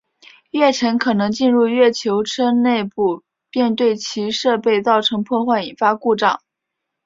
月尘可能进入月球车内部并对其设备造成破坏引发故障。